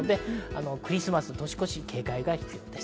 クリスマス、年越し、警戒が必要です。